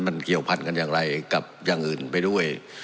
มันเกี่ยวพันกันอย่างไรกับอย่างอื่นไปด้วย